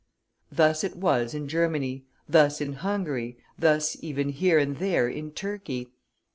Thus it was in Germany, thus in Hungary, thus even here and there in Turkey.